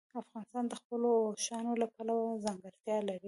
افغانستان د خپلو اوښانو له پلوه ځانګړتیا لري.